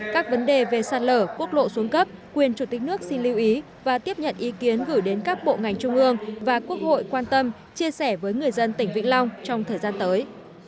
các vấn đề về sạt lở quốc lộ xuống cấp quyền chủ tịch nước xin lưu ý và tiếp nhận ý kiến gửi đến các bộ ngành trung ương và quốc hội quan tâm chia sẻ với người dân tỉnh vĩnh long trong thời gian tới